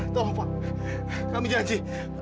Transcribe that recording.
tolong pak kami janji